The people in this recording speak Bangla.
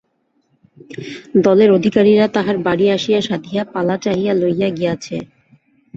দলের অধিকারীরা তাহার বাড়ি আসিয়া সাধিয়া পালা চাহিয়া লইয়া গিয়াছে।